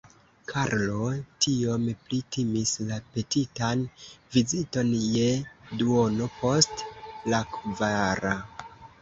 Karlo tiom pli timis la petitan viziton je duono post la kvara.